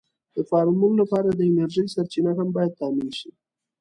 د فارمونو لپاره د انرژۍ سرچینه هم باید تأمېن شي.